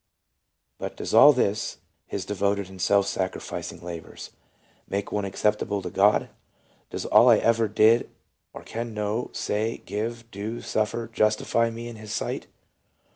" But does all this [his devoted and self sacrificing labors] make one acceptable to God ? Does all I ever did or can know, say, give, do, suffer, justify me in His sight